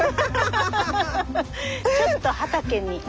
ちょっと畑に。